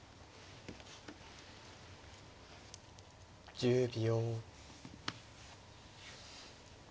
１０秒。